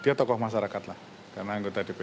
dia tokoh masyarakat lah karena anggota dprd juga